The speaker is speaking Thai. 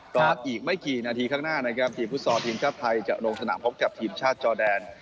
ตอนนี้อีกไม่กี่นาทีข้างหน้านะครับทีมพุทธศาสตร์ทีมทรัพย์ไทยจะลงสนามพบกับทีมชาติจอเดน